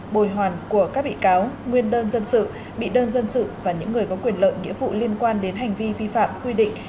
bồi hoàn của các bị cáo nguyên đơn dân sự bị đơn dân sự và những người có quyền lợi nghĩa vụ liên quan đến hành vi vi phạm quy định